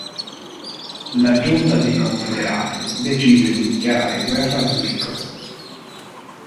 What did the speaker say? La giunta dei confederati decise di dichiarare guerra a Zurigo.